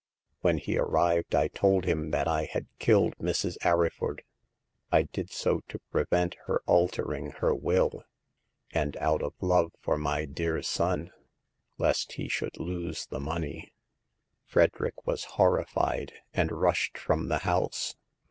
When he arrived I told him that I had killed Mrs. Arry ford. I did so to prevent her altering her will, and out of love for my dear son, lest he should lose the money. Frederick was horrified, and rushed from the house.